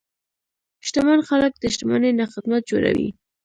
شتمن خلک د شتمنۍ نه خدمت جوړوي.